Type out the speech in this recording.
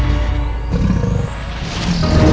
saya akan keluar